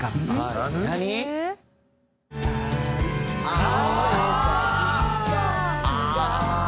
「ああ！」